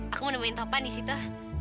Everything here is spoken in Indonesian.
aku mau nemuin topan di situ